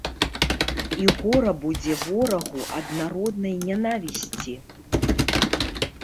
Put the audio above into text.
І гора будзе ворагу ад народнай нянавісці!